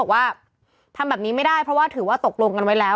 บอกว่าทำแบบนี้ไม่ได้เพราะว่าถือว่าตกลงกันไว้แล้ว